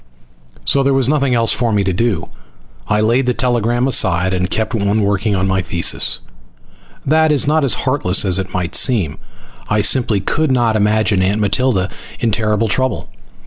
So there was nothing else for me to do. I laid the telegram aside and kept on working on my thesis. That is not as heartless as it might seem. I simply could not imagine Aunt Matilda in terrible trouble.